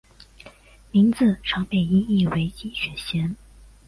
名字常被音译为金雪贤。